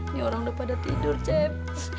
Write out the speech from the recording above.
ini orang udah pada tidur jep